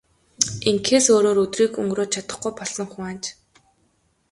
Ингэхээс өөрөөр өдрийг өнгөрөөж чадахгүй болсон хүн аж.